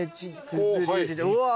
うわ。